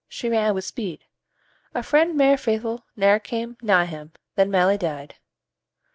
She ran wi' speed; A friend mair faithfu' ne'er cam' nigh him Than Mailie dead.